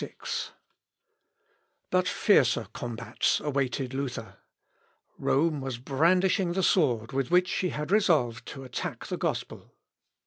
] But fiercer combats awaited Luther. Rome was brandishing the sword with which she had resolved to attack the gospel.